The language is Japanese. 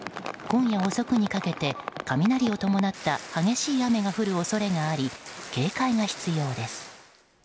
今夜遅くにかけて雷を伴った激しい雨が降る恐れがあり警戒が必要です。